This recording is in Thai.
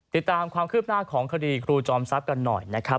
ติดตามความคืบหน้าของคดีครูจอมทรัพย์กันหน่อยนะครับ